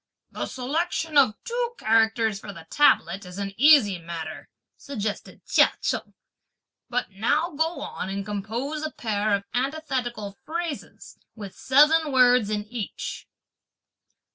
"The selection of two characters for the tablet is an easy matter," suggested Chia Cheng, "but now go on and compose a pair of antithetical phrases with seven words in each."